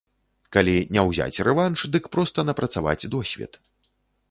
Калі не ўзяць рэванш, дык проста напрацаваць досвед.